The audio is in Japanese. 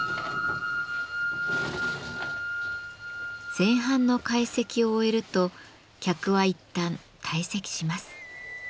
前半の懐石を終えると客はいったん退席します。